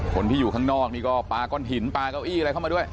คนที่อยู่ข้างนอกนี่ก็ปลาก้อนหินปลาเก้าอี้อะไรเข้ามาด้วย